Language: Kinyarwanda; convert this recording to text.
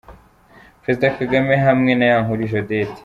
Perezida Kagame hamwe na Yankurije Odette .